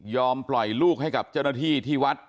ปล่อยลูกให้กับเจ้าหน้าที่ที่วัด